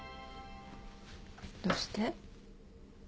どうして？